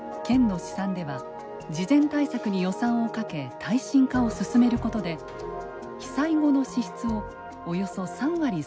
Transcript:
県の試算では事前対策に予算をかけ耐震化を進めることで被災後の支出を